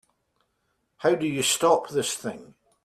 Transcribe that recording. How do you stop this thing?